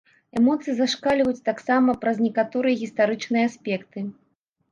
Эмоцыі зашкальваюць таксама праз некаторыя гістарычныя аспекты.